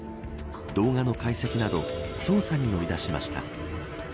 動画の解析など捜査に乗り出しました。